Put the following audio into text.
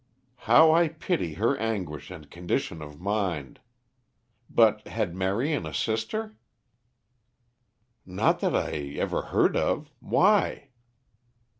How I pity her anguish and condition of mind! But had Marion a sister?" "Not that I ever heard of. Why?"